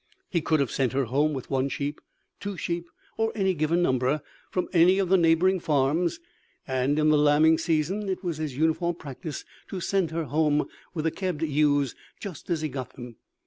He could have sent her home with one sheep, two sheep, or any given number, from any of the neighbouring farms; and, in the lambing season, it was his uniform practice to send her home with the kebbed ewes just as he got them.